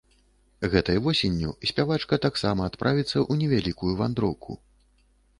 Гэтай восенню спявачка таксама адправіцца ў невялікую вандроўку.